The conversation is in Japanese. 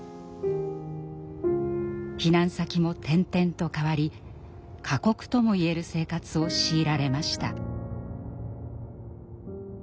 避難先も転々と変わり過酷とも言える生活を強いられました。